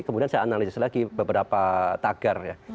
kemudian saya analisis lagi beberapa tagar ya